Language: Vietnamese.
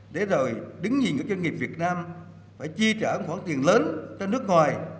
để rồi đứng nhìn các doanh nghiệp việt nam phải chi trả khoản tiền lớn cho nước ngoài